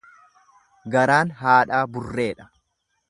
Garaan haadhaa burreedha.